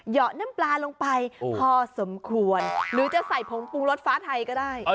น้ำปลาลงไปพอสมควรหรือจะใส่ผงปรุงรสฟ้าไทยก็ได้